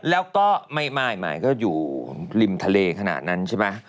แล้วก็ไม่หมายก็อยู่ริมทะเลขนาดนั้นใช่ไหม